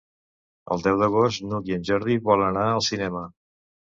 El deu d'agost n'Hug i en Jordi volen anar al cinema.